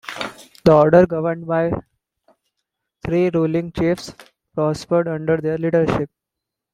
The Order, governed by three ruling Chiefs, prospered under their leadership.